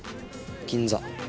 銀座。